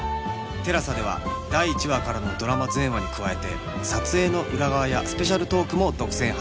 ＴＥＬＡＳＡ では第１話からのドラマ全話に加えて撮影の裏側やスペシャルトークも独占配信中